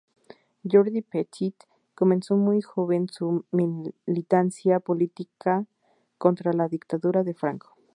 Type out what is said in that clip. Jordi Petit comenzó muy joven su militancia política contra la dictadura de Franco.